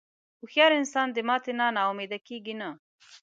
هوښیار انسان د ماتې نه نا امیده نه کېږي.